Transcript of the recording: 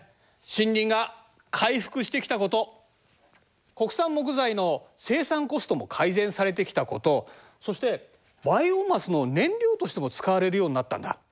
森林が回復してきたこと国産木材の生産コストも改善されてきたことそしてバイオマスの燃料としても使われるようになったんだ。